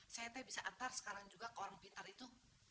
saya bisa antar sekarang juga ke orang pintar itu